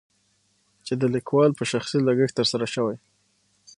چې دليکوال په شخصي لګښت تر سره شوي.